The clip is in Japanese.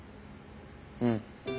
うん。